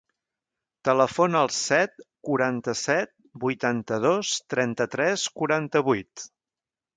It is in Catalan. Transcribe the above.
Telefona al set, quaranta-set, vuitanta-dos, trenta-tres, quaranta-vuit.